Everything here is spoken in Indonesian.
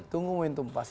tunggu momentum pas